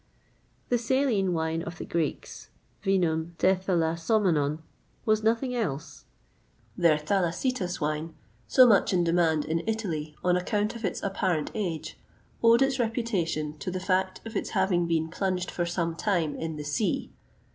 The saline wine of the Greeks (vinum tethalassomenon) was nothing else.[XXVIII 117] Their thalassites wine, so much in demand in Italy on account of its apparent age, owed its reputation to the fact of its having been plunged for some time in the sea.